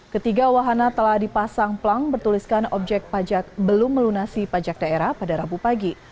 ketiga wahana telah dipasang pelang bertuliskan objek pajak belum melunasi pajak daerah pada rabu pagi